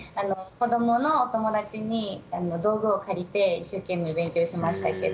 子どものお友達に道具を借りて一生懸命、練習をしました。